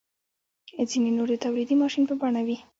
ځینې نور د تولیدي ماشین په بڼه وي.